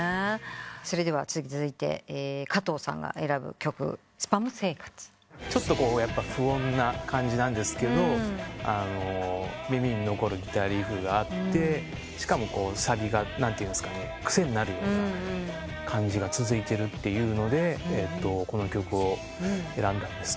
それでは続いて加藤さんが選ぶ曲『ＳＰＡＭ生活』ちょっと不穏な感じなんですけど耳に残るギターリフがあってしかもサビが癖になるような感じが続いてるっていうのでこの曲を選んだんですけど。